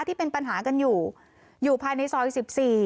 ที่เป็นปัญหากันอยู่อยู่ภายในซอยสิบสี่